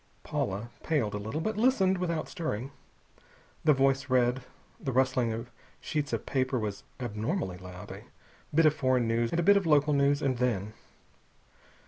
Paula paled a little, but listened without stirring. The voice read the rustling of sheets of paper was abnormally loud a bit of foreign news, and a bit of local news, and then....